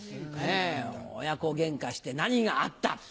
親子ゲンカして何があった？